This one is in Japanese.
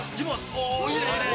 おおいいねいいね！